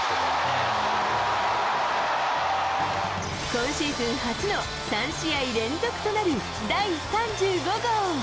今シーズン初の３試合連続となる第３５号。